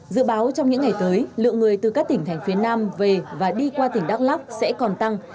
dự báo trong những ngày tới lượng người từ các tỉnh thành phía nam về và đi qua tỉnh đắk lắc sẽ còn tăng